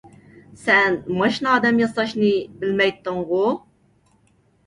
سەن ماشىنا ئادەم ياساشنى بىلمەيتتىڭغۇ؟